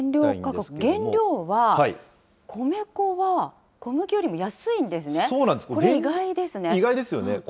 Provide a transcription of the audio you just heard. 原料は、米粉は小麦よりも安いん意外ですよね。